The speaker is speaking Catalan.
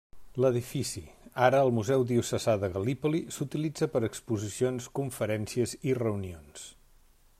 L'edifici, ara el Museu Diocesà de Gallipoli s'utilitza per a exposicions, conferències i reunions.